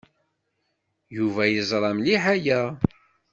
Yuba yeẓra mliḥ aya.